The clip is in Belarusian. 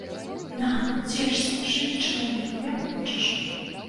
На, цешся, жыві, чалавек, як хочаш!